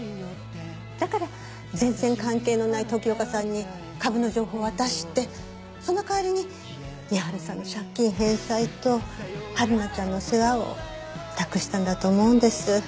だから全然関係のない時岡さんに株の情報を渡してその代わりに美春さんの借金返済とはるなちゃんの世話を託したんだと思うんです。